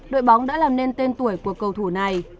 đội bóng đã làm nên tên tuổi của cầu thủ này